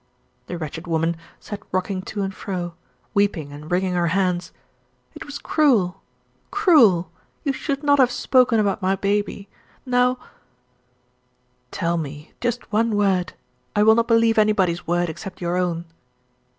The wretched woman sat rocking to and fro weeping and wringing her hands. "It was cruel cruel! You should not have spoken about my baby. Now " "Tell me just one word I will not believe anybody's word except your own.